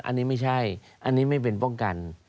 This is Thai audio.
อันนี้ไม่ใช่อันนี้ไม่เป็นป้องกัน